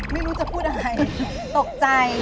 ไม่รู้จะพูดอะไรตกใจ